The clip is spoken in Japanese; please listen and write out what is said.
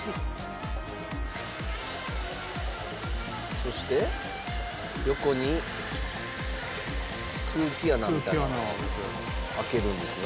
そして横に空気穴みたいな開けるんですね。